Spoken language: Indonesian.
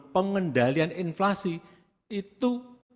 pengendalian inflasi itu